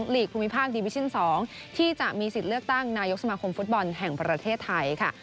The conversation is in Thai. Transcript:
ลีกภูมิภาคดีวิชิน๒ที่จะมีสิทธิ์เลือกตั้งนายกสมาคมฟุตบอลแห่งประเทศไทยค่ะ